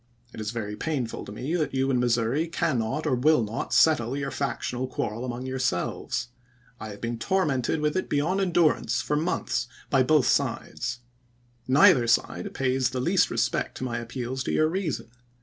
It is very painful to me that you in Missouri cannot or will not settle your factional quarrel among yourselves. I have been tormented Lmcoin to with it beyond endurance for months by both Drake, sides. Neither side pays the least respect to my uLfis, appeals to your reason.